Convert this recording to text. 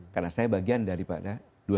karena saya bagian daripada dua ratus dua belas